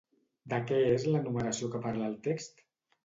De què és l'enumeració que parla el text?